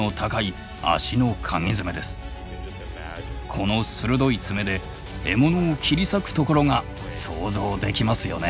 この鋭い爪で獲物を切り裂くところが想像できますよね。